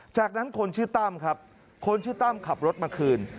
จากนั้นคนชื่อตั้มครับคนชื่อตั้มขับรถมาคืน